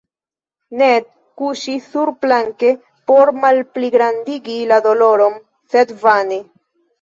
Ned kuŝis surplanke por malpligrandigi la doloron, sed vane.